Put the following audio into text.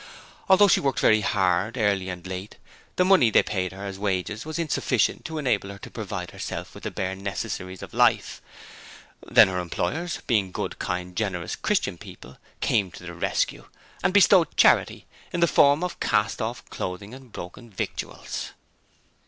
Although she worked very hard, early and late, the money they paid her as wages was insufficient to enable her to provide herself with the bare necessaries of life. Then her employers, being good, kind, generous, Christian people, came to the rescue and bestowed charity, in the form of cast off clothing and broken victuals.